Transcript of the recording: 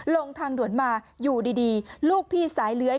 ลงทางด่วนมาอยู่ดีลูกพี่สายเลื้อย